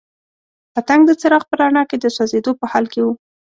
پتنګ د څراغ په رڼا کې د سوځېدو په حال کې وو.